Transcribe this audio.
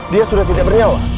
dia sudah tidak bernyawa